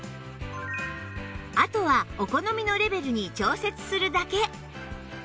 あとはお好みのレベルに調節するだけ